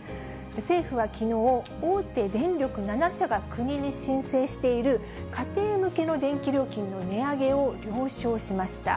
政府はきのう、大手電力７社が国に申請している、家庭向けの電気料金の値上げを了承しました。